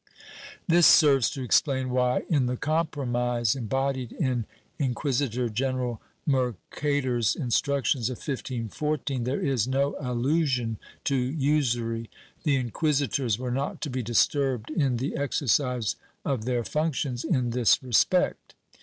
^ This serves to explain why, in the compromise embodied in Inqui sitor general Mercader's Instructions of 1514, there is no allusion to usury— the inquisitors were not to be disturbed in the exercise of their functions in this respect.